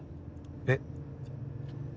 えっ？